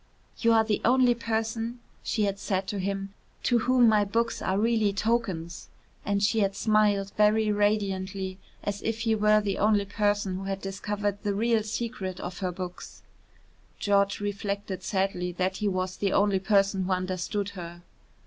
"You are the only person," she had said to him, "to whom my books are really tokens," and she had smiled very radiantly as if he were the only person who had discovered the real secret of her books. George reflected sadly that he was the only person who understood her.